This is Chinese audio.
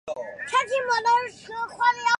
现在的站舍是内置的。